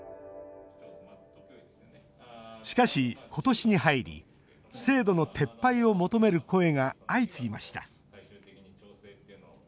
しかし、ことしに入り制度の撤廃を求める声が相次ぎました。